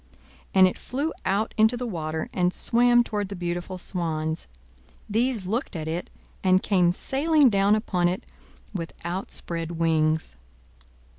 And it flew out into the water, and swam toward the beautiful swans: these looked at it, and came sailing down upon it with outspread wings.